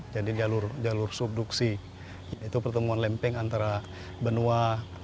jadi jalur subduksi itu pertemuan lempeng antara benua